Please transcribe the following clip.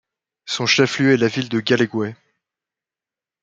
Son chef-lieu est la ville de Gualeguay.